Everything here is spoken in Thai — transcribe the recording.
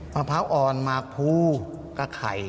มะพร้าวอ่อนมะพูกะไข่